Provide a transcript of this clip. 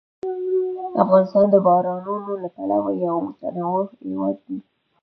افغانستان د بارانونو له پلوه یو متنوع هېواد دی.